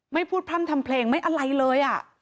ไม่พูดพร่ำทำเพลงไม่อะไรเลย